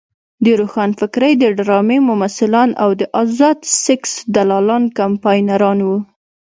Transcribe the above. د روښانفکرۍ د ډرامې ممثلان او د ازاد سیکس دلالان کمپاینران وو.